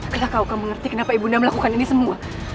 tidak kau tidak mengerti kenapa ibu nda melakukan ini semua